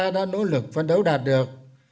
đã nỗ lực phân đấu đạt được